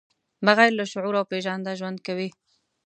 بغیر له شعور او پېژانده ژوند کوي.